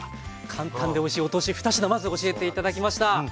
簡単でおいしいお通し２品まず教えて頂きました。